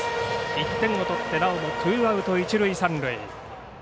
１点を取って、なおもツーアウト一塁三塁。